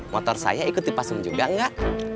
motor saya ikut dipasung juga nggak